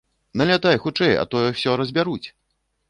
Налятай хутчэй, а тое ўсё разбяруць!